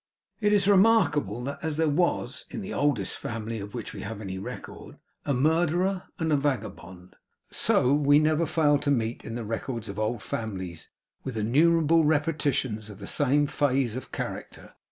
It is remarkable that as there was, in the oldest family of which we have any record, a murderer and a vagabond, so we never fail to meet, in the records of all old families, with innumerable repetitions of the same phase of character.